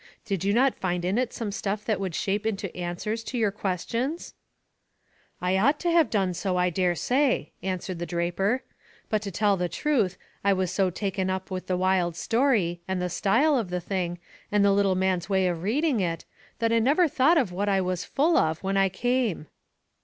Did you not find in it some stuff that would shape into answers to your questions? "I ought to have done so, I dare say," answered the draper, "but to tell the truth, I was so taken up with the wild story, and the style of the thing, and the little man's way of reading it, that I never thought of what I was full of when I came."